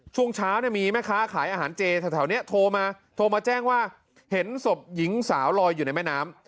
ช่วงเช้าเนี่ยมีแม่ค้าขายอาหารเจแถวนี้โทรมาโทรมาแจ้งว่าเห็นศพหญิงสาวลอยอยู่ในแม่น้ำ